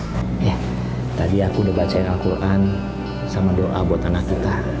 ya tadi aku udah bacain al quran sama doa buat anak kita